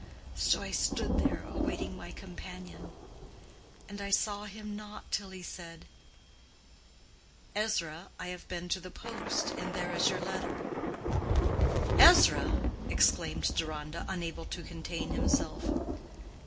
So I stood there awaiting my companion; and I saw him not till he said: 'Ezra, I have been to the post and there is your letter.'" "Ezra!" exclaimed Deronda, unable to contain himself.